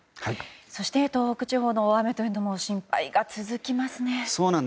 そして東北地方の大雨も心配が続きますね。